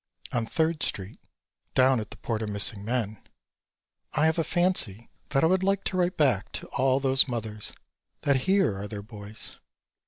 On Third street down at the Port o' Missing Men, I have a fancy that I would like to write back to all those mothers that here are their boys.